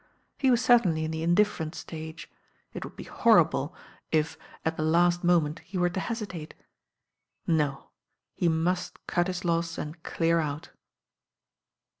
He was certainly in the in different stage. It would be horrible if, at the last moment, he were to hesitate. No, he must cut his loss and clear out.